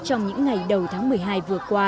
trong chương trình này hàng nghìn người yêu chạy với tôi